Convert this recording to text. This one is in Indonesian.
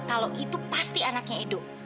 kalau itu pasti anaknya hidup